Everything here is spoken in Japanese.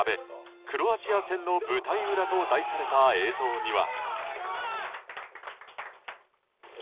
クロアチア戦の舞台裏」と題された映像には。